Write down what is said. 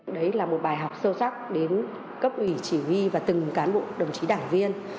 đấy là một bài học sâu sắc đến cấp ủy chỉ huy và từng cán bộ đồng chí đảng viên